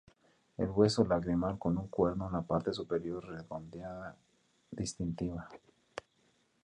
El hueso lagrimal con un cuerno en la parte superior redondeada distintiva.